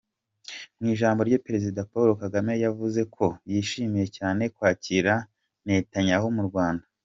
Mu ijambo rye, Perezida Paul Kagame yavuze ko yishimiye cyane kwakira Netanyahu mu Rwanda.